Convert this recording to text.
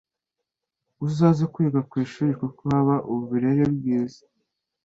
uzaze kwiga kwishuri kuko haba uburere bwiza